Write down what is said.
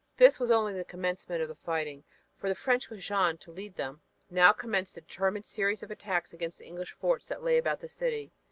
This was only the commencement of the fighting, for the French with Jeanne to lead them, now commenced a determined series of attacks against the English forts that lay about the city.